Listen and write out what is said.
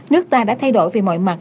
nước ta đã thay đổi về mọi mặt